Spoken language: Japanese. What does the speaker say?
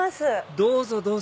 どうぞどうぞ！